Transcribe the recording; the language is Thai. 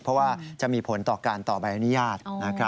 เพราะว่าจะมีผลต่อการต่อบรรยายนิยาตร